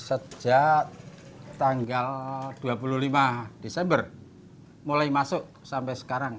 sejak tanggal dua puluh lima desember mulai masuk sampai sekarang